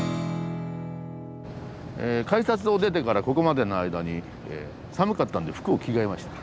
改札を出てからここまでの間に寒かったんで服を着替えました。